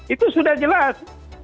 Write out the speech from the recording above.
itu sudah jelas